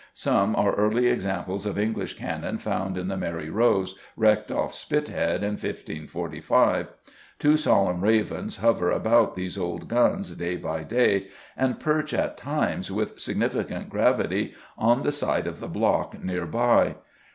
Some are early examples of English cannon found in the Mary Rose, wrecked off Spithead in 1545. Two solemn ravens hover about these old guns day by day, and perch at times, with significant gravity, on the site of the block near by.